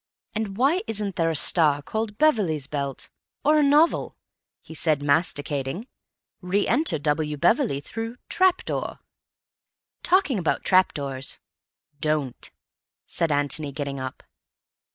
And why isn't there a star called Beverley's Belt? Or a novel? Said he masticating. Re enter W. Beverley through trap door." "Talking about trap doors—" "Don't," said Antony, getting up.